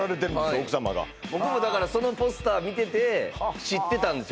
奥さまが僕もだからそのポスター見てて知ってたんですよ